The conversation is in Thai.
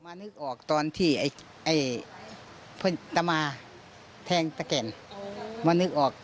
นึกออกตอนที่ไอ้ตมาแทงตะแก่นมานึกออก